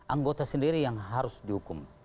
anggota sendiri yang harus dihukum